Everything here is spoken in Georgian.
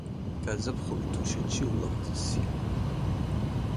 გაზაფხული თუშეთში ულამაზესია.